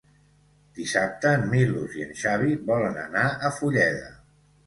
Dissabte en Milos i en Xavi volen anar a Fulleda.